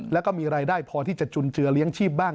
แล้วก็มีรายได้พอที่จะจุนเจือเลี้ยงชีพบ้าง